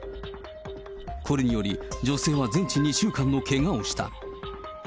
これにより、女性は全治２週間のけがをした。